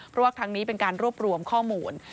เพราะว่าครั้งนี้เป็นการรวบรวมข้อมูล